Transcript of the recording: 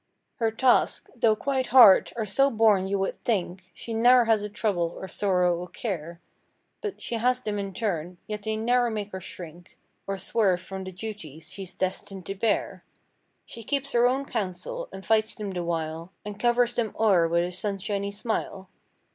Her tasks, though quite hard, are so borne you would think She ne'er has a trouble or sorrow or care; But she has them in turn, yet they ne'er make her shrink Or swerve from the duties she's destined to bear. She keeps her own counsel and fights them the while And covers them o'er with a sunshiny smile.